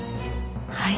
はい。